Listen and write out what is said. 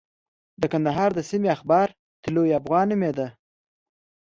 د کندهار د سیمې اخبار طلوع افغان نومېده.